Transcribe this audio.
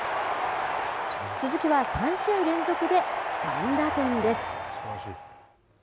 鈴木は３試合連続で３打点です。